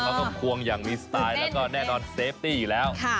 เขาก็ควงอย่างมีสไตล์แล้วก็แน่นอนเซฟตี้อยู่แล้ว